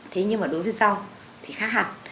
thế nhưng mà đối với rau thì khác hẳn